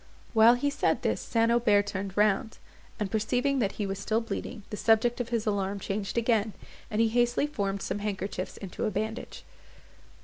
While he said this St. Aubert turned round, and perceiving that he was still bleeding, the subject of his alarm changed again, and he hastily formed some handkerchiefs into a bandage.